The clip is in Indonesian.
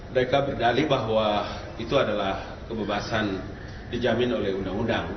mereka berdali bahwa itu adalah kebebasan dijamin oleh undang undang